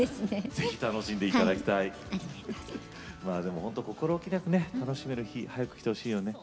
まあでもほんと心おきなくね楽しめる日早くきてほしいよね。